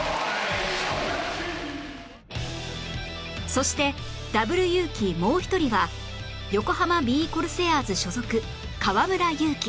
そして Ｗ ユウキもう一人は横浜ビー・コルセアーズ所属河村勇輝